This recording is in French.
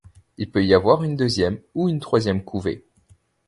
Il peut y avoir une deuxième ou une troisième couvée.